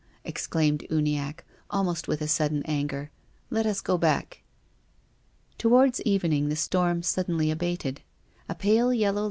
" exclaimed Uniacke, almost with a sudden anger. " Let us go back." Towards evening the storm suddenly abated. A pale yellow ligl^.